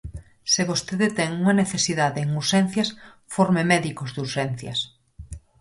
Se vostede ten unha necesidade en urxencias, forme médicos de urxencias.